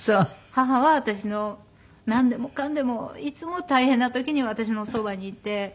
母は私のなんでもかんでもいつも大変な時に私のそばにいて。